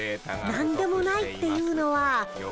何でもないっていうのは。